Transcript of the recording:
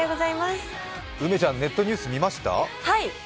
梅ちゃん、ネットニュース見ました？